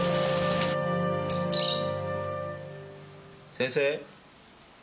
先生。